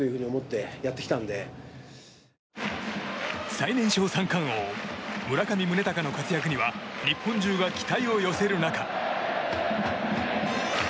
最年少三冠王村上宗隆の活躍には日本中が期待を寄せる中。